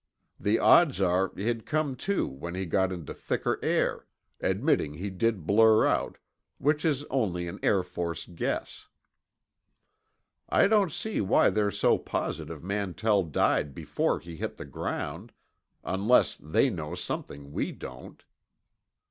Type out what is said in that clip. The odds are he'd come to when he got into thicker air—admitting he did blur out, which is only an Air Force guess. I don't see why they're so positive Mantell died before he hit the ground—unless they know something we don't."